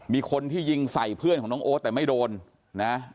มีคนที่ยิงใส่เพื่อนของน้องโอ๊ตแต่ไม่โดนนะ